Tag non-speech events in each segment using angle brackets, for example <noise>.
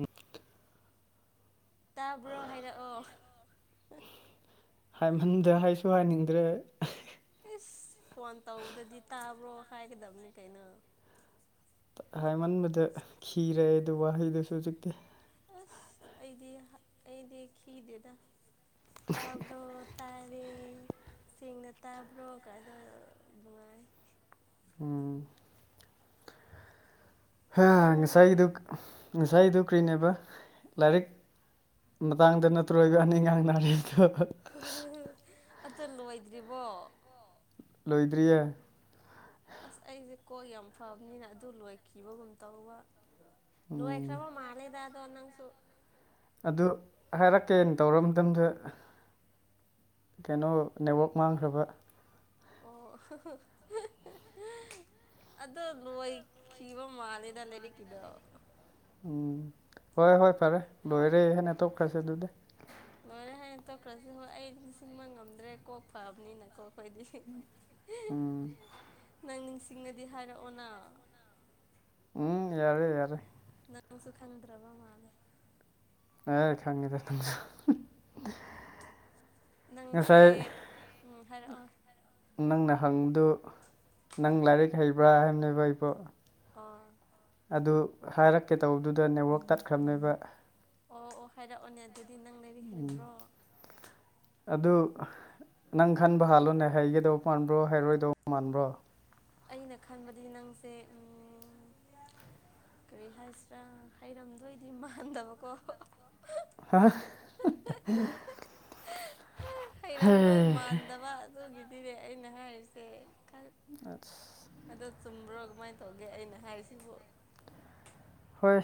ꯃꯐ ꯇꯥꯕ꯭ꯔꯣ ꯍꯥꯏꯔꯛꯑꯣ ꯍꯥꯏꯃꯟꯗ ꯍꯥꯏꯁꯨ ꯍꯥꯏꯅꯤꯡꯗ꯭ꯔꯦ ꯏꯁꯁ ꯐꯣꯟ ꯇꯧꯕꯗꯗꯤ ꯇꯥꯕ꯭ꯔꯣ ꯍꯥꯏꯒꯗꯕꯅꯤ ꯀꯩꯅꯣ ꯍꯥꯏꯃꯟꯕꯗ ꯤꯔꯛꯑꯦ ꯑꯗꯨ ꯋꯥꯍꯩꯗꯨꯁꯨ ꯍꯧꯖꯤꯛꯇꯤ ꯑꯁ ꯑꯩꯗꯤ ꯑꯩꯗꯤ ꯈꯈꯤꯗꯦꯗ ꯇꯥꯕꯣ ꯇꯥꯏꯔꯤꯁꯤꯡꯅ ꯇꯥꯕ꯭ꯔꯣ ꯑꯗ ꯉꯥꯏ ꯍꯥ ꯅꯪ ꯁꯍꯤꯗꯨꯛ ꯉꯁꯥꯏꯗꯨ ꯀ꯭ꯔꯤꯅꯦꯕ ꯂꯥꯏꯔꯤꯛ ꯃꯇꯥꯡꯗ ꯅꯠꯇ꯭ꯔꯣꯏꯕ ꯑꯅꯤ ꯉꯥꯡ ꯅꯥꯔꯤ <unintelligible> ꯇꯜ ꯂꯨ ꯑꯣꯏꯣꯏꯗ꯭ꯔꯤꯕꯣ ꯂꯣꯏꯗ꯭ꯔꯤꯌꯦ ꯑꯁ ꯑꯩꯁꯦ ꯀꯣꯛ ꯌꯥꯝ ꯐꯕꯅꯤꯅ ꯑꯗꯨ ꯂꯣꯏꯈꯤꯕꯒꯨꯝ ꯇꯧꯕ ꯂꯣꯏ ꯎꯝ ꯑꯦꯛ꯭ꯔ ꯃꯥꯂꯦꯗꯗꯣꯪ ꯑꯗꯨ ꯍꯥꯏꯔꯛꯀꯦꯅ ꯇꯧꯔ ꯃꯇꯝꯗ ꯀꯩꯅꯣ ꯅꯦꯠꯋꯥꯛ ꯃꯥꯡꯈ꯭ꯔꯕ ꯑꯣ ꯑꯗꯣ ꯅꯣꯏ ꯈꯤꯕ ꯃꯥꯂꯦꯗ ꯂꯩꯗꯤ ꯀꯗ ꯎꯝ ꯍꯣꯏ ꯍꯣꯏ ꯐꯔꯦ ꯂꯣꯏꯔꯦ ꯍꯦꯟꯅ ꯇꯣꯛꯈ꯭ꯔꯁꯦ ꯑꯗꯨꯗꯤ ꯂꯣꯏꯔꯦ ꯍꯥꯏꯌꯦ ꯇꯣꯛꯈ꯭ꯔꯁꯤ ꯍꯣꯏ ꯑꯩ ꯅꯤꯡꯁꯤꯡꯕ ꯉꯝꯗ꯭ꯔꯦ ꯀꯣꯛ ꯐꯕꯅꯤꯅꯀꯣ ꯗꯤ ꯎꯝ ꯅꯪ ꯇꯤꯡꯉꯗꯤ ꯍꯥꯏꯔꯛꯑꯣꯅ ꯎꯝ ꯌꯥꯔꯦ ꯌꯥꯔꯦ ꯅꯪꯁꯨ ꯈꯪꯗ꯭ꯔꯕ ꯃꯥꯜꯂꯦ ꯑꯦ ꯈꯪꯉꯤꯗ ꯊ ꯅꯪꯁꯦ ꯎ ꯍꯥꯏꯔꯛꯑꯣ ꯅꯪꯅ ꯍꯪꯗꯨ ꯅꯪ ꯂꯥꯏꯔꯤꯛ ꯍꯩꯕ꯭ꯔꯥ ꯍꯥꯏꯕꯅꯦꯕ ꯑꯩꯕꯨꯣ ꯑꯣ ꯑꯗꯨ ꯍꯥꯏꯔꯛꯀꯦ ꯇꯧꯕꯗꯨꯗ ꯅꯦꯠꯋꯥꯛ ꯇꯠꯈ꯭ꯔꯕꯅꯦꯕ ꯑꯣ ꯑꯣ ꯍꯥꯏꯔꯛꯑꯣꯅꯦ ꯑꯗꯨꯗꯤ ꯅꯪ ꯂꯩꯔꯤ ꯍꯩꯕ꯭ꯔꯣ ꯑꯗꯨ ꯅꯪ ꯈꯟꯕ ꯍꯥꯜꯂꯣꯅꯦ ꯍꯩꯒꯗꯧꯕ ꯃꯥꯟꯕ꯭ꯔꯣ ꯍꯩꯔꯣꯏꯗꯧꯕ ꯃꯥꯟꯕ꯭ꯔꯣ ꯑꯩꯅ ꯈꯟꯕꯗꯤ ꯅꯪꯁꯦ ꯀꯔꯤ ꯍꯥꯏꯁꯤꯔꯥ ꯍꯩꯔꯝꯗꯣꯏꯗꯤ ꯃꯥꯟꯗꯕꯀꯣ ꯑꯁ ꯍꯩꯔꯝꯗꯣꯏ ꯃꯥꯟꯗꯕ ꯑꯗꯨꯒꯤꯗꯤꯅꯦ ꯑꯩꯅ ꯍꯥꯏꯔꯤꯁꯦ ꯈ ꯑꯗꯣ ꯆꯨꯝꯕ꯭ꯔꯣ ꯀꯃꯥꯏꯅ ꯇꯧꯒꯦ ꯑꯩꯅ ꯍꯥꯏꯔꯤꯁꯤꯕꯨ ꯍꯣꯏ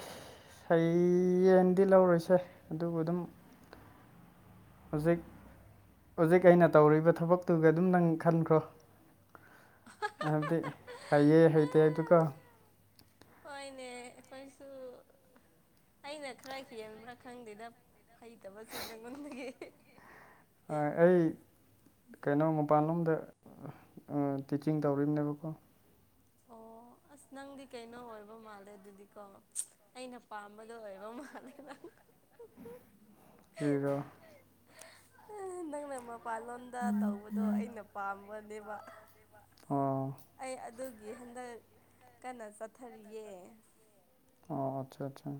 ꯁꯌꯦꯡꯗꯤ ꯂꯧꯔꯨꯁꯦ ꯑꯗꯨꯕꯨ ꯑꯗꯨꯝ ꯍꯧꯖꯤꯛ ꯍꯧꯖꯤꯛ ꯑꯩꯅ ꯇꯧꯔꯤꯕ ꯊꯕꯛꯇꯨꯒ ꯑꯗꯨꯝ ꯅꯪ ꯈꯟꯈ꯭ꯔꯣ ꯍꯥꯏꯕꯗꯤ ꯍꯩꯌꯦ ꯍꯩꯇꯦ ꯑꯗꯨꯒ ꯍꯣꯏꯅꯦ ꯏꯩꯈꯣꯏꯁꯨ ꯑꯩꯅ ꯈꯔ ꯍꯦꯟꯕ꯭ꯔꯥ ꯈꯪꯗꯦꯗ ꯍꯩꯇꯕꯁꯨ ꯅꯪꯉꯣꯟꯗꯒꯤꯦ ꯑꯩ ꯀꯩꯅꯣ ꯃꯄꯥꯟꯂꯣꯝꯗ ꯇꯤꯆꯤꯡ ꯇꯧꯔꯤꯕꯅꯦꯕꯀꯣ ꯑꯣ <unintelligible> ꯑꯁ ꯅꯪꯗꯤ ꯀꯩꯅꯣ ꯑꯣꯏꯕ ꯃꯥꯜꯂꯦ ꯑꯗꯨꯗꯤꯀꯣ ꯑꯩꯅ ꯄꯥꯝꯕꯗꯣ ꯑꯣꯏꯕ ꯃꯥꯜꯂꯦ ꯅꯪ ꯄ꯭ꯔꯤꯔꯥ ꯃꯦꯝꯃ <unintelligible> ꯃꯄꯥꯥꯟꯂꯣꯗ ꯇꯧꯕꯗꯣ ꯑꯩꯅ ꯄꯥꯝꯕꯅꯦꯕ ꯑꯣ ꯑꯩ ꯑꯗꯨ ꯒꯤ ꯍꯟꯗꯛ ꯀꯟꯅ ꯆꯠꯊꯔꯤꯌꯦ ꯑꯣ ꯑꯆꯥ ꯑꯠꯆꯥ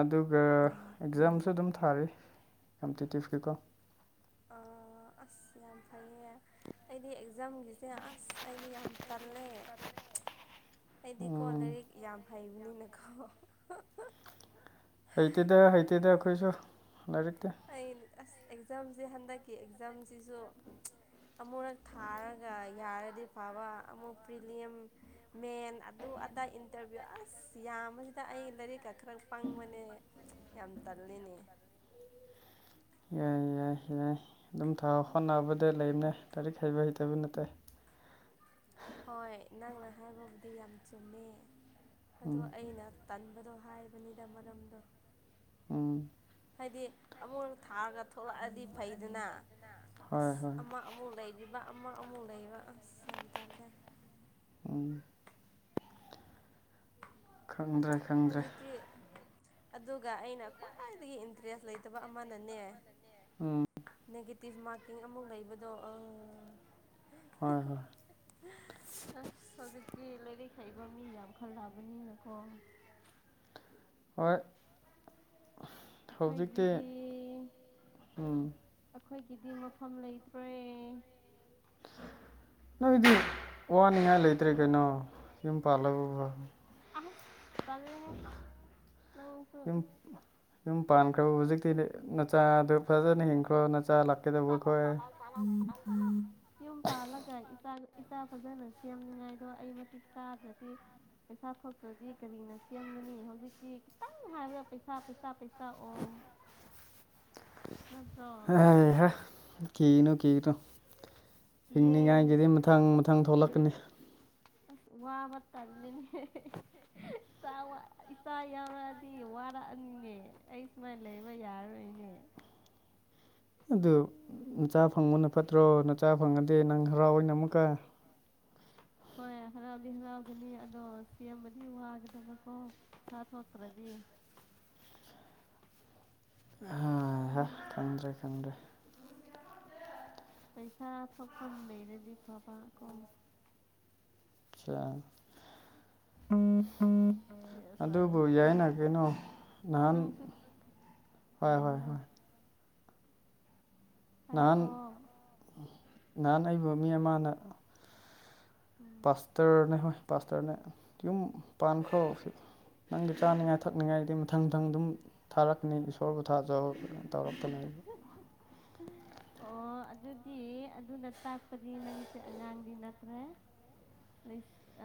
ꯑꯗꯨꯒ ꯑꯦꯛꯖꯥꯝꯁꯨ ꯑꯗꯨꯝ ꯊꯥꯔꯤ ꯀꯝꯄꯤꯇꯤꯇꯤꯞꯀꯤꯀꯣ ꯑ ꯑꯁ ꯌꯥꯝ ꯐꯩꯌꯦ ꯑꯩꯗꯤ ꯖꯝꯒꯤꯁꯦ ꯑꯁ ꯑꯩꯅ ꯌꯥꯝ ꯇꯜꯂꯦ ꯑꯩꯗꯤꯀꯣ ꯎꯝ ꯂꯥꯏꯔꯤꯛ ꯌꯥꯝ ꯍꯩꯕꯅꯤꯅꯀꯣ ꯍꯩꯇꯦꯗ ꯍꯩꯇꯦꯗ ꯑꯩꯈꯣꯏꯁꯨ ꯂꯥꯏꯔꯤꯛ ꯑꯩ ꯑꯁ ꯑꯦꯛꯖꯥꯝꯁꯦ ꯍꯟꯗꯛꯀꯤ ꯑꯦꯛꯖꯥꯝꯁꯤꯁꯨ ꯑꯃꯨꯔꯛ ꯊꯥꯔꯒ ꯌꯥꯔꯗꯤ ꯐꯕ ꯑꯃꯨꯛ ꯄ꯭ꯔꯤꯂꯤꯌꯝ ꯃꯦꯟ ꯑꯗꯨ ꯑꯗꯥꯏ ꯏꯟꯇꯔꯚꯤꯌꯨ ꯑꯁ ꯌꯥꯝꯕꯁꯤꯗ ꯑꯩ ꯂꯥꯏꯔꯤꯛꯀ ꯈꯔ ꯄꯪꯕꯅꯦ ꯌꯥꯝ ꯇꯜꯂꯤꯅꯦ ꯌꯥꯏ ꯌꯥꯏ ꯌꯥꯏ ꯑꯗꯨꯝ ꯊꯥ ꯍꯣꯠꯅꯕꯗ ꯂꯩꯕꯅꯦ ꯂꯥꯏꯔꯤꯛ ꯍꯩꯕ ꯍꯩꯇꯕ ꯅꯠꯇꯦ <unintelligible> ꯍꯣꯏ ꯅꯪꯅ ꯍꯥꯏꯕꯕꯨꯗꯤ ꯌꯥꯝ ꯆꯨꯝꯃꯦ ꯑꯗꯣ ꯎꯝ ꯑꯩꯅ ꯇꯟꯕꯗꯣ ꯍꯥꯏꯕꯅꯤꯗ ꯃꯔꯝꯗꯣ ꯎꯝ ꯍꯥꯏꯗꯤ ꯑꯃꯨꯛ ꯊꯥꯔꯒ ꯊꯣꯛꯂꯛꯑꯗꯤ ꯐꯩꯗꯅ ꯍꯣꯏ ꯑꯁ ꯍꯣꯏ ꯑꯃ ꯑꯃꯨꯛ ꯂꯩꯔꯤꯕ ꯑꯃ ꯑꯃꯨꯛ ꯂꯩꯕ ꯑꯁ ꯌꯥꯝ ꯇꯥꯜꯂꯦ ꯑꯣ ꯈꯪꯗ꯭ꯔꯦ ꯈꯪꯗ꯭ꯔꯦ ꯍꯧꯖꯤꯛꯇꯤ ꯑꯗꯨꯒ ꯑꯩꯅ ꯈ꯭ꯋꯥꯏꯗꯒꯤ ꯏꯟꯇꯔꯦꯁ ꯂꯩꯇꯕ ꯑꯃꯅꯅꯦ ꯎꯝ ꯅꯦꯒꯦꯇꯤꯞ ꯃꯥꯔꯀꯤꯡ ꯑꯃꯨꯛ ꯂꯩꯕꯗꯣ ꯑ ꯍꯣꯏ ꯍꯣꯏ ꯑꯁ ꯍꯧꯖꯤꯛꯇꯤ ꯂꯥꯏꯔꯤꯛ ꯍꯩꯕ ꯃꯤ ꯌꯥꯝ ꯈꯜꯂꯛꯑꯕꯅꯤꯅꯀꯣ ꯍꯣꯏ ꯍꯧꯖꯤꯛꯇꯤ ꯑꯩꯈꯣꯏꯒꯤꯗꯤ ꯎꯝ ꯑꯩꯈꯣꯏꯒꯤꯗꯤ ꯃꯐꯝ ꯂꯩꯇ꯭ꯔꯦ ꯅꯣꯏꯗꯤ ꯋꯥꯅꯤꯡꯉꯥꯏ ꯂꯩꯇ꯭ꯔꯦ ꯀꯩꯅꯣ ꯌꯨꯝ ꯄꯥꯜꯂꯕ ꯑꯁ ꯇꯜꯂꯦꯍꯦ ꯆꯧꯕꯁꯦ ꯀꯩꯅꯣ ꯅꯆꯥꯗꯣ ꯐꯖꯟ ꯍꯤꯡꯈ꯭ꯔꯣ ꯅꯆꯥ ꯆꯠꯂꯣ ꯂꯥꯛꯀꯦꯗꯧꯕꯈꯣꯏ ꯆꯠꯂꯣ ꯆꯠꯂꯣ ꯆꯠꯂꯣ ꯆꯠꯂꯣ ꯌꯨꯝ ꯄꯥꯜꯂꯒ ꯏꯆꯥ ꯐꯖꯅ ꯁꯦꯝꯅꯤꯉꯥꯏꯗꯣ ꯑꯩ ꯃꯇꯤꯛ ꯆꯥꯗ꯭ꯔꯗꯤ ꯄꯩꯁꯥ ꯊꯣꯛꯇ꯭ꯔꯗꯤ ꯀꯔꯤꯅ ꯁꯦꯝꯒꯅꯤ ꯍꯧꯖꯤꯛꯇꯤ ꯈꯤꯇꯪ ꯍꯥꯏꯕꯗ ꯄꯩꯁꯥ ꯄꯩꯁꯥ ꯄꯩꯁꯥ ꯑꯣ ꯅꯠꯇ꯭ꯔꯣ ꯑꯦ ꯍꯥꯏ ꯀꯅꯨ ꯀ ꯇꯨ <unintelligible> ꯌꯦ ꯍꯤꯡꯅꯤꯉꯥꯏꯒꯤꯗꯤ ꯃꯊꯪ ꯃꯊꯪ ꯊꯣꯛꯂꯛꯀꯅꯤ ꯑꯁ ꯋꯥꯕ ꯇꯜꯂꯤꯅꯦ ꯏꯆꯥ ꯌꯥꯎꯔꯛꯑꯗꯤ ꯋꯥꯔꯛꯑꯅꯤꯅꯦ ꯑꯩ ꯁꯨꯃꯥꯏꯅ ꯂꯩꯕ ꯌꯥꯔꯔꯣꯏꯅꯦ <inaudible> ꯑꯗꯨ ꯅꯆꯥ ꯐꯪꯕꯅ ꯐꯠꯇ꯭ꯔꯣ ꯅꯆꯥ ꯐꯪꯉꯗꯤ ꯅꯪ ꯍꯔꯥꯎꯏꯅ‌ꯦ ꯑꯃꯨꯛꯀ ꯍꯣꯏ ꯍꯔꯥꯎꯗꯤ ꯍꯔꯥꯎꯒꯅꯤ ꯑꯗꯣ ꯁꯦꯝꯕꯗꯤ ꯋꯥꯒꯗꯕꯀꯣꯥ ꯄꯩꯁꯥꯊꯣꯛꯇ꯭ꯔꯗꯤ <inaudible> ꯑꯍꯥꯍꯥ ꯈꯟꯗ꯭ꯔꯦ ꯈꯟꯗ꯭ꯔꯦ ꯄꯩꯁꯥ ꯊꯣꯛꯐꯝ ꯂꯩꯔꯗꯤ ꯐꯕ ꯀꯣ ꯑꯆꯥ ꯁꯣꯔꯤ ꯑꯗꯨꯕꯨ ꯌꯥꯏꯅ ꯀꯩꯅꯣ ꯅꯍꯥꯟ ꯅꯪꯁꯨ ꯍꯣꯏ ꯀꯔꯤ ꯍꯣꯏ ꯍꯥꯏꯔꯣ ꯅꯍꯥꯟ ꯍꯥꯏꯔꯛꯑꯣ ꯅꯍꯥꯟ ꯑꯏꯕ ꯃꯤ ꯑꯃꯅ ꯎꯝ ꯄꯥꯁꯇꯔꯅꯦ ꯍꫭꯏ ꯄꯥꯁꯇꯔꯅꯦ ꯌꯨꯝ ꯄꯥꯈꯔꫭ ꯅꯪꯗꯤ ꯆꯥꯅꯤꯉꯥꯏ ꯊꯛꯅꯤꯉꯥꯏꯗꯤ ꯃꯊꯪ ꯃꯊꯪ ꯑꯗꯨꯝ ꯊꯥꯔꯛꯀꯅꯤ ꯏꯁꯣꯔꯕꯨ ꯊꯥꯖꯧ‌ ꯇꯧꯔꯛꯄꯅ‌ꯦꯕ ꯑꯣ ꯑꯗꯨꯗꯤ ꯑꯗꯨꯅ ꯇꯥꯛꯄꯅꯤ ꯅꯪꯁꯦ ꯑꯉꯥꯡꯗꯤ ꯅꯠꯇ꯭ꯔꯦ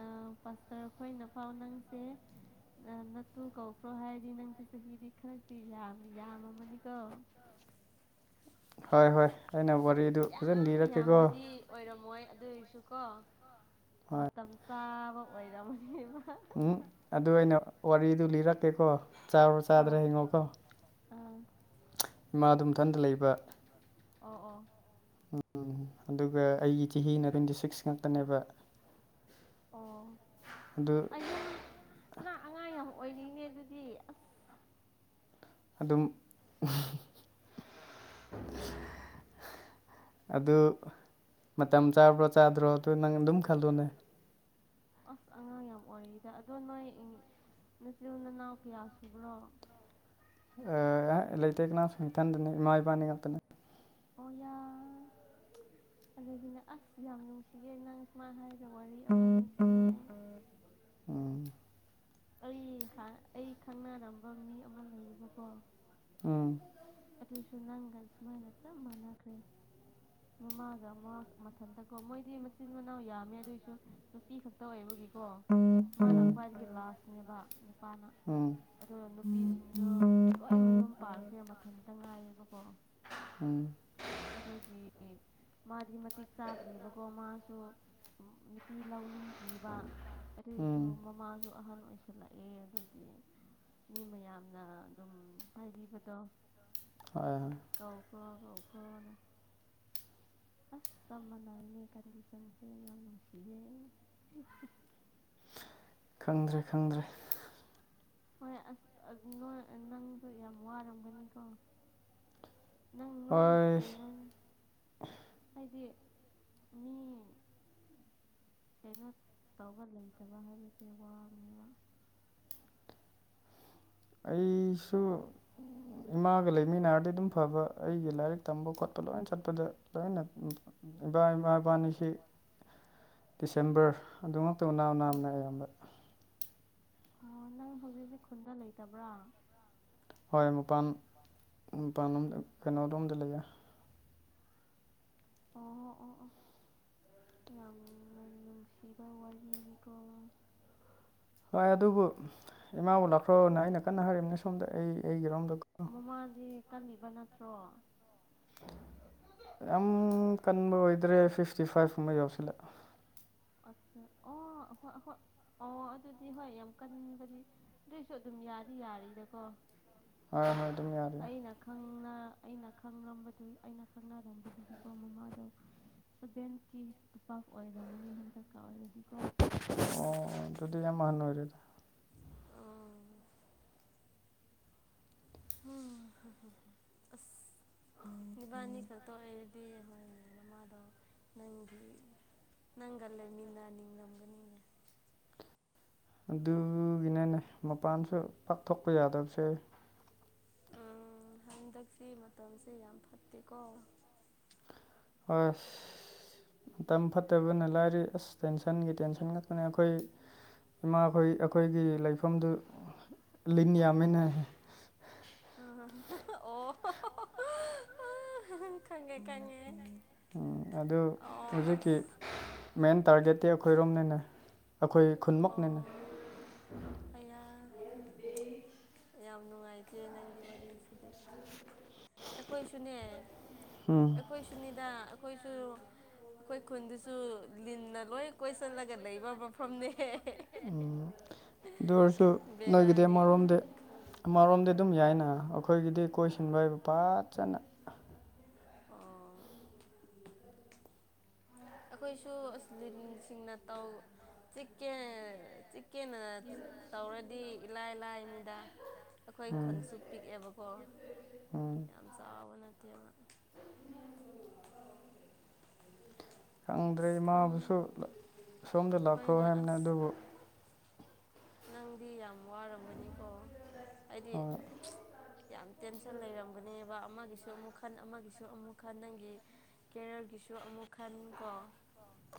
ꯑꯥ ꯄꯥꯁꯇꯔ ꯑꯩꯈꯣꯏꯅ ꯄꯥꯎ ꯅꯪꯁꯦ ꯅꯠꯇꯨ ꯀꯧꯕ꯭ꯔꯣ ꯍꯥꯏꯔꯗꯤ ꯅꯪꯁꯤ ꯆꯍꯤꯗꯤ ꯈꯔꯗꯤ ꯌꯥꯝ ꯌꯥꯝꯃ ꯃꯅꯤ ꯀꫭ ꯍꯣꯏ ꯍꯣꯏ ꯑꯩꯅ ꯋꯥꯔꯤꯗꯨ ꯐꯖꯅ ꯌꯥꯝ ꯂꯤꯔꯛꯀꯦꯀꯣ ꯌꯥꯝꯕꯗꯤ ꯑꯣꯏꯔꯝꯃꯣꯏ ꯑꯗꯨ ꯑꯣꯏꯔꯁꯨ ꯀꯣ ꯍꯣꯏ ꯃꯇꯝ ꯆꯥꯕ ꯑꯣꯏꯔꯝꯃꯅꯤꯕ ꯎꯝ ꯑꯗꯨ ꯑꯩꯅ ꯋꯥꯔꯤꯗꯨ ꯂꯤꯔꯛꯀꯦꯀꯣ ꯆꯥꯎꯔꯣ ꯆꯥꯗ꯭ꯔꯦ ꯍꯣꯏ ꯍꯡꯉꯣꯀꯣ ꯑꯥ ꯃꯥ ꯑꯗꯨꯝꯊꯟꯗ ꯂꯩꯕ ꯑꯣ ꯑꯣ ꯎꯝ ꯑꯗꯨꯒ ꯑꯩꯒꯤ ꯆꯍꯤꯅ ꯇ꯭ꯋꯦꯟꯇꯤ ꯁꯤꯛꯁ ꯉꯛꯇꯅꯦꯕ ꯑꯣ ꯑꯌꯥ ꯅꯪ ꯑꯉꯥꯡ ꯌꯥꯝ ꯑꯣꯏꯔꯤꯅꯦ ꯑꯗꯨꯗꯤ ꯑꯁ ꯑꯗꯨꯝ ꯑꯗꯨ ꯃꯇꯝ ꯆꯥꯕ꯭ꯔꯣ ꯆꯥꯗ꯭ꯔꯣ ꯑꯗꯨ ꯅꯪ ꯑꯗꯨꯝ ꯈꯜꯂꯨꯅꯦ ꯑꯁ ꯑꯉꯥꯡ ꯌꯥꯝ ꯑꯣꯏꯔꯤꯛꯗ ꯑꯗꯣ ꯅꯣꯏ ꯅꯠꯆꯤꯜ ꯅꯅꯥꯎ ꯀꯌꯥ ꯁꯨꯕ꯭ꯔꯣ ꯑꯥ ꯂꯩꯇꯦ ꯀꯅꯥꯁꯨ ꯏꯊꯟꯗꯅꯤ ꯏꯃꯥ ꯏꯄꯥꯅꯤ ꯉꯥꯛꯇꯅꯦ ꯑꯣꯌꯥ ꯑꯗꯒꯤꯅ ꯑꯁ ꯌꯥꯝ ꯅꯨꯡꯁꯤ ꯅꯪ ꯁꯨꯃꯥꯏꯅ ꯍꯥꯏꯔ ꯋꯥꯔꯤ ꯑꯃꯅꯨꯡ <unintelligible> ꯎꯝ <unintelligible> ꯑꯩ ꯑꯩ ꯈꯪꯅꯔꯝꯕ ꯃꯤ ꯑꯃ ꯂꯩꯌꯦꯕꯀꯣ ꯎꯝ ꯑꯗꯨꯁꯨ ꯅꯪꯒ ꯁꯨꯃꯥꯏ ꯆꯞ ꯃꯅꯥꯈꯔ‌ꯦ ꯃꯃꯥꯒ ꯃꯃꯥ ꯃꯊꯟꯇꯀꯣ ꯃꯣꯏꯗꯤ ꯃꯆꯤꯟ ꯃꯅꯥꯎ ꯌꯥꯝꯃꯦ ꯑꯗꯨꯏꯁꯨ ꯅꯨꯄꯤ ꯈꯛꯇ ꯑꯣꯏꯕꯒꯤ ꯀꫭ ꯃꯥꯅ ꯎꯝ ꯈ꯭ꯋꯥꯏꯗꯒꯤ ꯂꯥꯁꯅꯦꯕ ꯅꯨꯄꯥꯅ ꯎꯝ ꯑꯗꫭ ꯅꯨꯄꯤꯁꯤꯡꯗꯣ ꯂꫭꯏ ꯃꯌꯨꯝ ꯄꯥꯟꯈꯔ‌ꯦ ꯃꯊꯟ ꯏꯊꯟꯇ ꯉꯥꯏꯋꯦꯕꯀꯣ <unintelligible> ꯑꯗꯨꯒꯤ ꯃꯥꯗꯤ ꯃꯇꯤꯛ ꯆꯥꯗ꯭ꯔꯤꯕꯀꯣ ꯃꯥꯁꯨ ꯅꯨꯄꯤ ꯂꯧꯅꯤꯡ ꯗ꯭ꯔꯤꯕ ꯑꯗꯨꯏꯁꯨ ꯎꯝ ꯃꯃꯥꯁꯨ ꯑꯍꯟ ꯑꯣꯏꯁꯤꯜꯂꯛꯑꯦ ꯑꯗꯨꯒꯤ ꯃꯤ ꯃꯌꯥꯝꯅ ꯑꯗꯨꯝ ꯍꯥꯏꯕꯤꯕꯗꯣ ꯍꯣꯏ ꯍꯣꯏ ꯀꯥꯎꯈ꯭ꯔꯣ ꯀꯥꯎꯈ꯭ꯔꯣꯅ ꯑꯁ ꯇꯝꯕꯅꯥꯏꯅꯦ ꯀꯟꯗꯤꯁꯟꯁꯦ ꯌꯥꯝ ꯅꯨꯡꯁꯤꯌꯦ ꯍ ꯈꯪꯗ꯭ꯔꯦ ꯈꯪꯗ꯭ꯔꯦ ꯍꯣꯏ ꯑꯁ ꯅ ꯅꯪꯁꯨ ꯌꯥꯝ ꯋꯥꯔꯝꯒꯅꯤꯀꯣ ꯍꯣꯏ ꯑꯗꯨꯗꯤ ꯃꯤ ꯀꯩꯅ ꯇꯧꯕ ꯂꯩꯇꯕ ꯍꯥꯏꯕꯁꯦ ꯋꯥꯕꯅꯦꯕ ꯑꯩꯁꯨ ꯏꯃꯥꯒ ꯂꯩꯃꯤꯟꯅꯔꯗꯤ ꯑꯗꯨꯝ ꯐꯕ ꯑꯩꯒꯤ ꯂꯥꯏꯔꯤꯛ ꯇꯝꯕ ꯈꯣꯠꯄ ꯂꯣꯏꯅ ꯆꯠꯄꯗ ꯂꯣꯏꯅ ꯃꯥꯏ ꯄꯥꯟꯁ ꯗꯤꯁꯦꯝꯕꯔ ꯑꯗꯨꯃꯛꯇꯅꯥ ꯅꯥꯅ ꯑꯌꯥꯝꯕ ꯑꯣ ꯅꯪ ꯍꯧꯖꯤꯛꯁꯤꯛ ꯈꯨꯟꯗ ꯂꯩꯇꯕ꯭ꯔꯥ ꯍꯣꯏ ꯃꯄꯥꯟ ꯃꯄꯥꯟꯗ ꯀꯩꯅꯣꯗꯣ ꯑꯝꯗ ꯂꯩꯌꯦ ꯎ ꯌꯥꯝ ꯅꯅꯨꯡꯁꯤꯕ ꯋꯥꯔꯅꯤꯅꯤꯀ ꯍꯣꯏ ꯑꯗꯨꯕꯨ ꯏꯃꯥꯕꯨ ꯂꯥꯛꯈ꯭ꯔꯣꯅ ꯑꯩꯅ ꯀꯟꯅ ꯍꯥꯏꯔꯤꯕꯝꯅꯦ ꯁꯣꯝꯗ ꯑꯩ ꯑꯩꯒꯤꯔꯣꯝꯗ ꯀꯟꯅꯤꯕ ꯅꯠꯇ꯭ꯔꯣ <inaudible> ꯌꯥꯝꯝ ꯀꯟꯕꯣꯏꯗ꯭ꯔꯦ ꯐꯤꯐꯇꯤ ꯐꯥꯏꯚ ꯀꯨꯝꯕ ꯌꯧꯁꯤꯂ ꯑꯠꯆꯥ <inaudible> <inaudible> ꯑꯣ ꯍꯣꯏ ꯑꯣꯏ ꯑꯣ ꯑꯗꯨꯗꯤ ꯍꯣꯏ ꯌꯥꯝ ꯀꯟꯕꯗꯤ ꯑꯗꯨꯏꯁꯨ ꯑꯗꯨꯝ ꯌꯥꯗꯤ ꯌꯥꯔꯤꯗꯀꯣ ꯍꯣꯏ ꯍꯣꯏ ꯑꯗꯨꯝ ꯌꯥꯔꯦ ꯑꯩꯅ ꯈꯪꯅ ꯑꯩꯅ ꯈꯪꯝꯕꯗꯨ ꯑꯩꯅ ꯈꯪꯅꯔꯝꯕꯗꯨꯗꯤꯀꯣ ꯃꯃꯥꯗꯣ ꯁꯚꯦꯟꯇꯤ ꯄꯥꯛ ꯑꯣꯏꯔꯝꯃꯅꯤ ꯍꯟꯗꯛꯀ ꯑꯣꯏꯔꯗꯤꯀꯣ ꯑꯣ ꯑꯗꯨꯗꯤ ꯌꯥꯝ ꯑꯍꯟ ꯑꯣꯏꯔꯦꯗ ꯑꯣ <inaudible> ꯕꯥꯅꯤ ꯈꯛꯇꯣ ꯑꯩꯗꯤ ꯍꯣꯏꯅꯃꯗ ꯅꯪꯒꯤ ꯅꯪꯒꯜꯂ ꯃꯤꯅ ꯅꯤꯡꯔꯝꯒꯅꯤꯅꯦ ꯑꯗꯨꯒꯤꯅꯅꯦ ꯃꯄꯥꯟꯁꯨ ꯄꯥꯛꯊꯣꯛꯄ ꯌꯥꯗꯕꯁꯦ ꯎ ꯍꯟꯗꯛꯁꯤ ꯃꯇꯝꯁꯦ ꯌꯥꯝ ꯐꯠꯇꯦꯀꯣ ꯍ ꯃꯇꯝ ꯐꯠꯇꯕꯅ ꯂꯥꯏꯔꯤ ꯑꯁ ꯇꯦꯟꯁꯟꯒꯤ ꯇꯦꯟꯁꯟ ꯉꯛꯄꯅꯦ ꯑꯩꯈꯣꯏ ꯏꯃꯥꯈꯣꯏ ꯑꯩꯈꯣꯏꯒꯤ ꯂꯩꯐꯝꯗꯨ ꯂꯤꯟ ꯌꯥꯝꯃꯤꯅ ꯑ ꯑꯣ ꯈꯪꯉꯦ ꯈꯪꯉꯦ ꯎꯝ ꯑꯗꯨ ꯑꯣ ꯍꯧꯖꯤꯛꯀꯤ ꯑꯁ ꯃꯦꯟ ꯇꯥꯔꯒꯦꯠꯇꯤ ꯑꯩꯈꯣꯏꯔꯣꯝꯅꯅꯦ ꯑꯩꯈꯣꯏ ꯈꯨꯟꯃꯛꯅꯤꯅꯦ ꯑꯣ ꯑꯌꯥ ꯌꯥꯝ ꯅꯨꯡꯉꯥꯏꯇꯦ ꯅꯪꯒꯤ ꯋꯥꯔꯤꯁꯤꯗꯤ ꯑꯩꯈꯣꯏꯁꯨꯅꯦ ꯎꯝ ꯑꯩꯈꯣꯏ ꯁꯨꯅꯤꯗ ꯑꯩꯈꯣꯏꯁꯨ ꯑꯩꯈꯣꯏ ꯈꯨꯟꯗꯁꯨ ꯂꯤꯟꯅ ꯂꯣꯏ ꯀꯣꯏꯁꯤꯜꯂꯒ ꯂꯩꯕ ꯃꯐꯝꯅꯦ ꯎꯝ ꯑꯗꯨ ꯑꯣꯏꯔꯁꯨ ꯂꯩꯈꯤꯗꯦ ꯕꯦꯔꯥꯅꯦ ꯑꯃꯔꯣꯝꯗꯤ ꯃꯔꯣꯝꯗꯤ ꯑꯗꯨꯝ ꯌꯥꯏꯅ ꯑꯩꯈꯣꯏꯒꯤꯗꯤ ꯀꯣꯏꯁꯤꯟꯕ ꯑꯣꯏꯕ ꯄꯖꯅ ꯑꯣ ꯑꯩꯈꯣꯏꯁꯨ ꯑ ꯂꯤꯟꯁꯤꯡꯅ ꯇꯀꯦ ꯀꯦꯅ ꯇꯧꯔꯗꯤ ꯏꯂꯥꯏ ꯂꯥꯏ ꯃꯤꯗ ꯑꯩꯈꯣꯏ ꯎꯝ ꯈꯨꯟꯁꯨ ꯄꯤꯛꯑꯦꯕꯀꯣ ꯎꯝ ꯌꯥꯝ ꯆꯥꯎꯕꯅ ꯠꯇ ꯈꯪꯗ꯭ꯔꯦ ꯈꯪ ꯏꯃꯥꯕꯨꯁꯨ ꯁꯣꯝꯗ ꯂꯥꯛꯈ꯭ꯔꯣ ꯍꯣꯏꯅꯦ ꯍꯥꯏꯕꯅ ꯑꯁ ꯑꯗꯨꯕꯨ ꯅꯪꯗꯤ ꯌꯥꯝ ꯌꯥꯝ ꯋꯥꯔꯝꯒꯅꯤꯀꯣ ꯍꯥꯏꯗꯤ ꯍꯣꯏ ꯌꯥꯝ ꯇꯦꯟꯁꯟ ꯂꯩꯔꯝꯒꯅꯦꯕ ꯑꯃꯒꯤꯁꯨ ꯑꯃꯨꯛ ꯈꯟ ꯑꯃꯒꯤꯁꯨ ꯑꯃꯨꯛ ꯈꯟ ꯅꯪꯒꯤ ꯀꯦꯔꯤꯌꯔꯒꯤꯁꯨ ꯑꯃꯨꯛ ꯈꯟ ꯀꯣ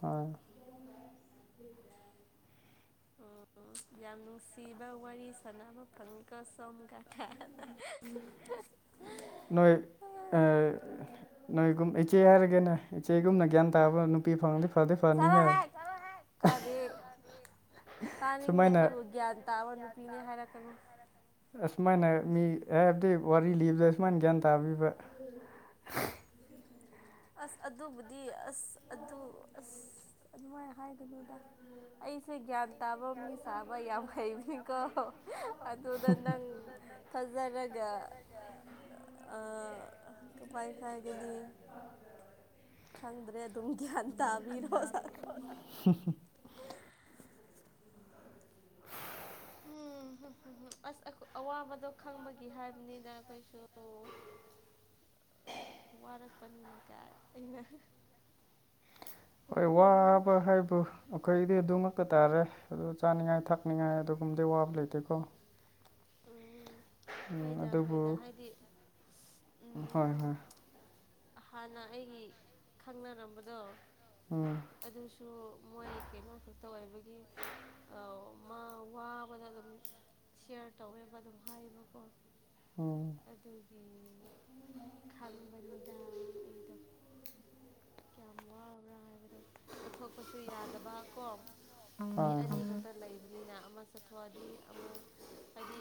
ꯑ ꯎꯝ ꯌꯥꯝ ꯅꯨꯡꯁꯤꯕ ꯋꯥꯔꯤ ꯁꯥꯟꯅꯕ ꯐꯪꯉꯤꯀꯣ ꯁꯣꯝ ꯀꯀꯥ ꯅꯣꯏ ꯅꯣꯏꯒꯨꯝ ꯏꯆꯦ ꯍꯥꯏꯔꯒꯦꯅ ꯏꯆꯦꯒꯨꯝꯅ ꯒ꯭ꯌꯥꯟ ꯇꯥꯕ ꯅꯨꯄꯤ ꯐꯪꯂꯂꯤ ꯆꯔ ꯍꯦꯛ ꯀꯔꯦ ꯇꯥꯅꯤꯡꯗꯦ ꯁꯨꯃꯥꯏꯅ ꯑꯩꯕꯨ ꯒ꯭ꯌꯥꯟ ꯇꯥꯕ ꯅꯨꯄꯤꯅꯦ ꯍꯥꯏꯔꯛꯀꯅꯨ ꯑꯁꯨꯃꯥꯏꯅ ꯃꯤ ꯍꯥꯏꯕꯗꯤ ꯋꯥꯔꯤ ꯂꯤꯕꯗ ꯑꯁꯨꯃꯥꯏꯅ ꯒ꯭ꯌꯥꯟ ꯇꯥꯕꯤꯕ <inaudible> ꯑꯁ ꯑꯗꯨꯕꯨꯗꯤ ꯑꯁ ꯑꯗꯨ ꯑꯁ ꯑꯗꯨꯃꯥꯏꯅ ꯍꯥꯏꯒꯣꯏꯅꯣꯗ ꯑꯩꯁꯦ ꯭ꯌꯥꯟ ꯇꯕ ꯃꯤ ꯁꯥꯕ ꯌꯥꯝ ꯍꯩꯕꯅꯤꯀꯣ ꯑꯗꯨꯗ ꯅꯪ ꯐꯥꯖꯔꯒ ꯑ ꯀꯄꯥꯏ ꯈꯥꯏ ꯀꯅꯤ ꯒ꯭ꯌꯥꯟ ꯑꯦ ꯇꯥꯕꯤꯔꯣ ꯁꯥꯔ꯫ <inaudible> ꯎꯝꯝ ꯑꯁ ꯑꯋꯥꯕꯗꯣ ꯈꯪꯕꯒꯤ ꯍꯥꯏꯕꯅꯤꯅ ꯑꯩꯈꯣꯏꯁꯨ <inaudible> ꯋꯥꯔꯛꯄꯅꯤꯅ ꯀꯥꯏ ꯑꯩꯅ ꯍꯣꯏ ꯐꯥꯒꯤ ꯇꯧꯕꯅꯦ ꯋꯥꯕ ꯍꯥꯏꯕ ꯑꯩꯈꯩꯗꯤ ꯑꯗꯨꯝ ꯊꯛꯄ ꯇꯥꯔꯦ ꯑꯗꯨ ꯆꯥꯅꯤꯡꯉꯥꯏ ꯊꯛꯅꯤꯡꯉꯥꯏ ꯑꯗꯨꯒꯨꯝꯕꯗꯤ ꯑ ꯋꯥꯕ ꯂꯩꯇꯦꯀꯣ ꯎꯝ ꯐꯣꯏꯗ ꯑꯗꯨꯕꯨ ꯐꯣꯏꯗ ꯍꯥꯏꯗꯤ ꯎ ꯍꯣꯏ ꯍꯣꯏ ꯍꯥꯟꯅ ꯑꯩꯒꯤ ꯈꯪꯅꯔꯝꯕꯗꯣ ꯎꯝ ꯑꯗꯨꯁꯨ ꯃꯣꯏ ꯀꯩꯅꯣ ꯈꯛꯇ ꯑꯣꯏꯕꯒꯤ ꯃꯥ ꯋꯥꯕꯗ ꯑꯗꯨꯝ ꯁꯤꯌꯥꯔ ꯇꯧꯋꯦꯕ ꯑꯗꯨꯝ ꯍꯥꯏꯌꯦꯕꯀꯣ ꯑꯣ ꯑꯣ ꯈꯪꯕꯅꯤꯗ ꯑꯩꯗꯣ ꯀꯌꯥꯃ ꯋꯥꯕ꯭ꯔ ꯍꯥꯏ ꯆꯠꯊꯣꯛꯄꯁꯨ ꯌꯥꯗꯕ ꯀꯣ ꯃꯤ ꯍꯣꯏ ꯑꯅꯤ ꯈꯛꯇ ꯂꯩꯕ ꯕꯅꯤꯅ ꯑꯃ ꯆꯠꯊꯣꯛꯑꯗꯤ ꯑꯃ ꯍꯥꯏꯗꯤ